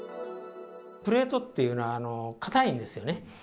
プレートっていうのは固いんですよね。